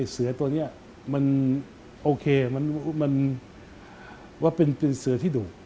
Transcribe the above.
เสือตัวนี้มันโอเคมันว่าเป็นเสือที่ดุ